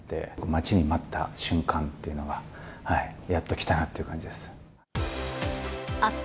待ちに待った瞬間というのがやっと来たなっていう感じです。